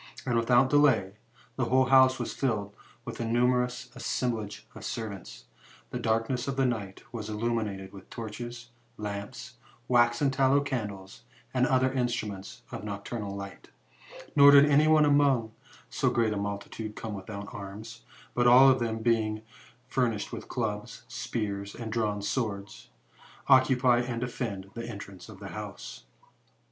And, without delay, the whole house was filled with a numerous assem blage of servants. The darkness of the night was illuminated with torches, lamps, wax and tallow candles, and other instru 6f THE METAMORPHOSIS, OR ments of noctarnal light Nor did anyone among so great a multitude come without arms, but all of them being furnished with clubs, spears, and drawn swords, occupy and defend the entrance of the house.